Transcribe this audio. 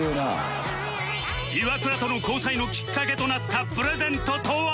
イワクラとの交際のきっかけとなったプレゼントとは？